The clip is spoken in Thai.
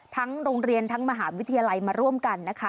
โรงเรียนทั้งมหาวิทยาลัยมาร่วมกันนะคะ